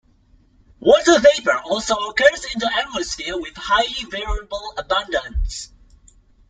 Water vapor also occurs in the atmosphere with highly variable abundance.